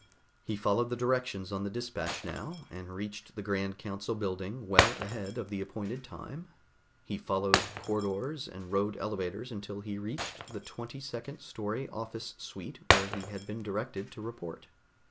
He followed the directions on the dispatch now, and reached the grand council building well ahead of the appointed time. He followed corridors and rode elevators until he reached the twenty second story office suite where he had been directed to report.